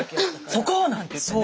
「そこ！」なんていってね。